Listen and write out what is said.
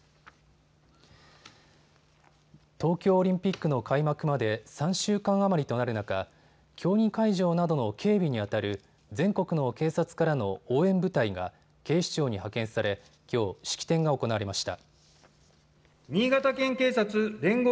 東京オリンピックの開幕まで３週間余りとなる中、競技会場などの警備にあたる全国の警察からの応援部隊が警視庁に派遣されきょう式典が行われました。